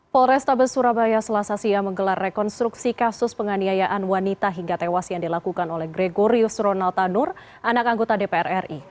polrestabes surabaya selasa siang menggelar rekonstruksi kasus penganiayaan wanita hingga tewas yang dilakukan oleh gregorius ronald tanur anak anggota dpr ri